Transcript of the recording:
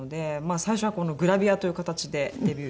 最初はグラビアというかたちでデビュー